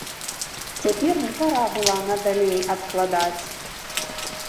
Цяпер не пара была надалей адкладаць.